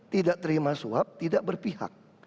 tidak terima suap tidak berpihak